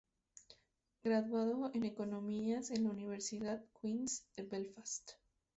Graduado en Económicas en la Universidad Queen’s de Belfast.